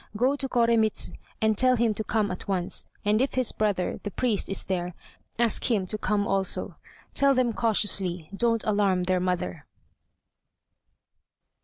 Go to Koremitz and tell him to come at once; and if his brother, the priest, is there, ask him to come also. Tell them cautiously; don't alarm their mother."